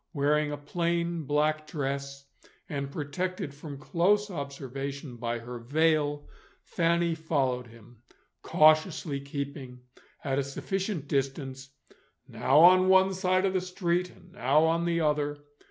Wearing a plain black dress, and protected from close observation by her veil, Fanny followed him, cautiously keeping at a sufficient distance, now on one side of the street and now on the other.